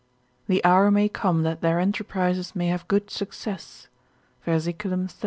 The hour may come that their enterprises may have good success, ver. 13.